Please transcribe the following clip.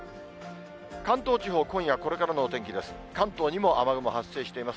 関東地方、今夜これからのお天気です。